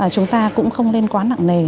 chúng ta cũng không nên quá nặng nề